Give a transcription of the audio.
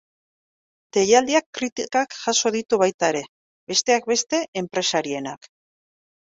Deialdiak kritikak jaso ditu baita ere, besteak beste, enpresarienak.